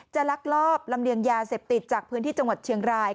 ลักลอบลำเลียงยาเสพติดจากพื้นที่จังหวัดเชียงราย